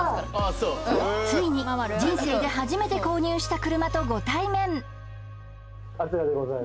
ついに人生で初めて購入した車とご対面はい